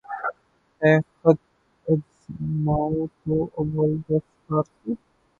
ہے خطِ عجز مَاو تُو اَوّلِ درسِ آرزو